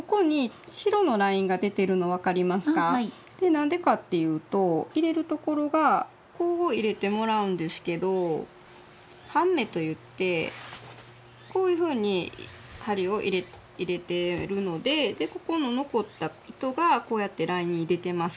何でかっていうと入れるところがこう入れてもらうんですけど「半目」と言ってこういうふうに針を入れてるのででここの残った糸がこうやってラインに出てます。